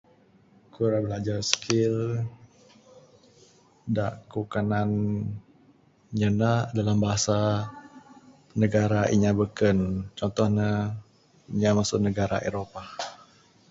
Ku ra ngajar skill da ku kanan nyanda dalam bhasa negara inya beken, contoh ne inya masu negara Eropah.